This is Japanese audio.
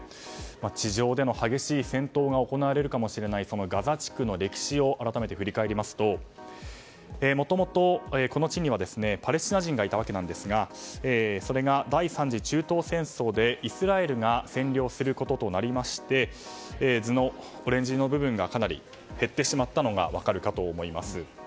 地上での激しい戦闘が行われるかもしれないガザ地区の歴史を改めて振り返りますともともと、この地にはパレスチナ人がいたわけですがそれが第３次中東戦争でイスラエルが占領することとなりまして図のオレンジ色の部分がかなり減ってしまったのが分かるかと思います。